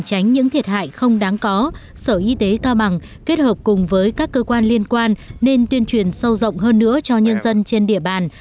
tránh những thiệt hại không đáng có sở y tế cao bằng kết hợp cùng với các cơ quan liên quan nên tuyên truyền sâu rộng hơn nữa cho nhân dân trên địa bàn